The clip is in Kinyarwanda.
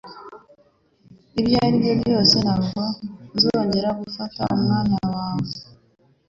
Ibyo ari byo byose, ntabwo nzongera gufata umwanya wawe.